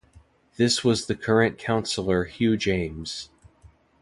This was the current Councillor Hugh James.